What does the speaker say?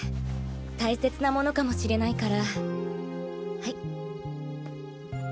大切なものかもしれないからハイ。